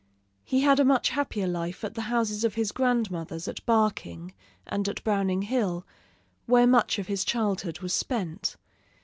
He had a much happier life at the houses of his grandmothers at Barking and at Browning Hill, where much of his childhood was spent.